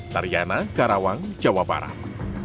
tariana karawang jawa barat